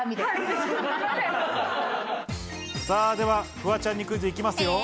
フワちゃんにクイズいきますよ。